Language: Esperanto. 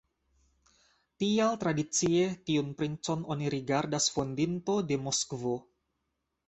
Tial tradicie tiun princon oni rigardas fondinto de Moskvo.